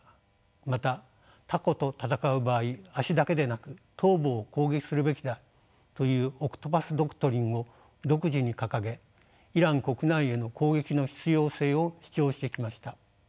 またタコと戦う場合足だけでなく頭部を攻撃するべきだという「オクトパス・ドクトリン」を独自に掲げイラン国内への攻撃の必要性を主張してきました。